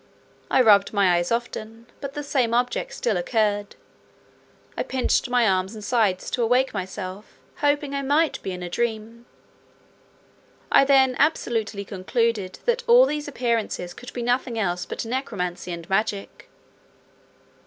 I rubbed my eyes often, but the same objects still occurred. I pinched my arms and sides to awake myself, hoping I might be in a dream. I then absolutely concluded, that all these appearances could be nothing else but necromancy and magic.